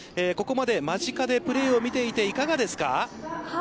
ここまで間近でプレーを見ていていかがですか？